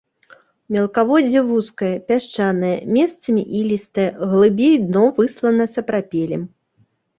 Мелкаводдзе вузкае, пясчанае, месцамі ілістае, глыбей дно выслана сапрапелем.